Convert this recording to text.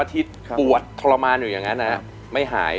๒๓อาทิตย์ปวดทรมานอยู่อย่างนั้นนะครับไม่หาย